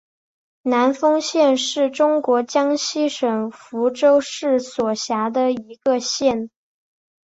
南丰县是中国江西省抚州市所辖的一个县。